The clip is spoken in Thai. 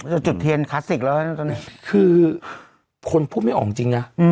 จะจุดเทียนคลาสสิกแล้วคือคนพูดไม่ออกจริงอ่ะอืม